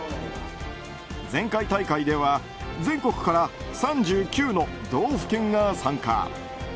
前回大会では全国から３９の道府県が参加。